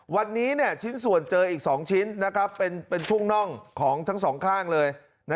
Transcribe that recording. วันนี้ชิ้นส่วนเจออีก๒ชิ้นเป็นช่วงน่องของทั้งสองข้างเลย